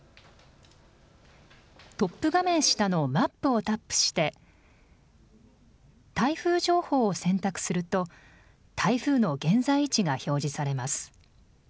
トップ画面下のマップをタップして台風情報を選択すると台風の現在位置が表示されます。